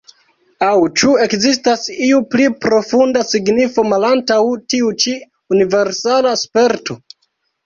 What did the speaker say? Aŭ ĉu ekzistas iu pli profunda signifo malantaŭ tiu ĉi universala sperto?